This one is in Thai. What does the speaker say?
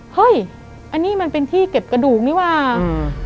เฮ้ยอันนี้มันเป็นที่เก็บกระดูกนี่ว่า